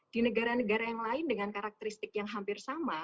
di negara negara yang lain dengan karakteristik yang hampir sama